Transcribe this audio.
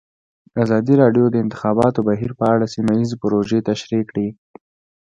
ازادي راډیو د د انتخاباتو بهیر په اړه سیمه ییزې پروژې تشریح کړې.